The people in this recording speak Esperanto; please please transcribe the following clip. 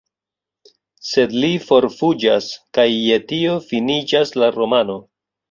Sed li forfuĝas, kaj je tio finiĝas la romano.